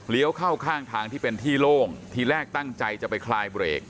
เข้าข้างทางที่เป็นที่โล่งทีแรกตั้งใจจะไปคลายเบรก